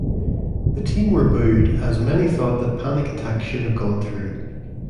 The team were booed, as many thought that Panic Attack should have gone through.